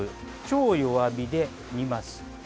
超弱火で煮ます。